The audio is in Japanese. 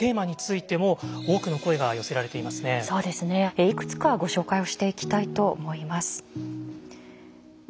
いくつかご紹介をしていきたいと思います。